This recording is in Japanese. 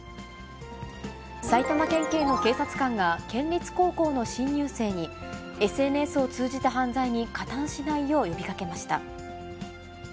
埼玉県警の警察官が、県立高校の新入生にＳＮＳを通じた犯罪に加担しないよう呼びかけました。